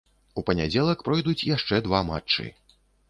У панядзелак пройдуць яшчэ два матчы.